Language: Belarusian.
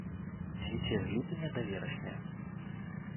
Цвіце з ліпеня да верасня.